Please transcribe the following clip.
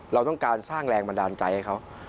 เราต้องการสร้างแรงบันดาลใจให้เขา